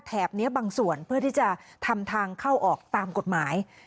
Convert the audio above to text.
นี้บางส่วนเพื่อที่จะทำทางเข้าออกตามกฎหมาย